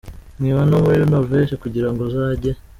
Nkiba no muri Norvege kugira ngo uzajye.